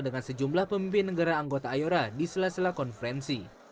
dengan sejumlah pemimpin negara anggota ayora di sela sela konferensi